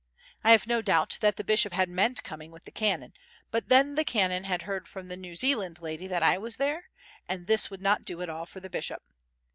I have no doubt that the bishop had meant coming with the canon, but then the canon had heard from the New Zealand lady that I was there, and this would not do at all for the bishop.